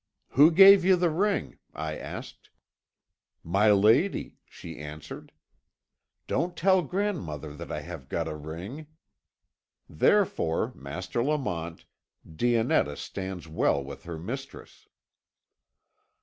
'Who gave you the ring?' I asked. 'My lady,' she answered. 'Don't tell grandmother that I have got a ring.' Therefore, Master Lamont, Dionetta stands well with her mistress."